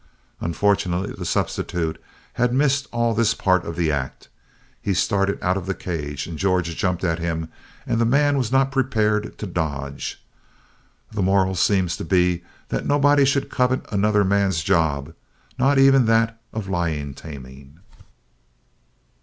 Unfortunately the substitute had missed all this part of the act. He started out of the cage and George jumped at him and the man was not prepared to dodge. The moral seems to be that nobody should covet another man's job, not even that of lion taming.